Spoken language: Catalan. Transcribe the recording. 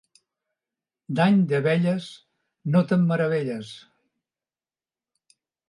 D'any d'abelles, no te'n meravelles.